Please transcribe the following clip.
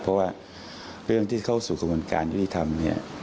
เพราะว่าเรื่องที่เข้าสู่กระบวนการยุติธรรมเนี่ย